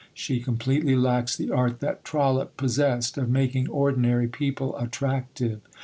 She completely lacks the art that Trollope possessed, of making ordinary people attractive.